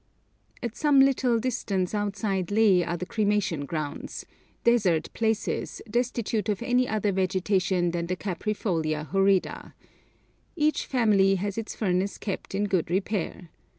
At some little distance outside Leh are the cremation grounds desert places, destitute of any other vegetation than the Caprifolia horrida. Each family has its furnace kept in good repair.